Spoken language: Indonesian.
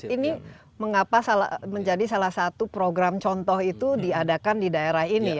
ini mengapa menjadi salah satu program contoh itu diadakan di daerah ini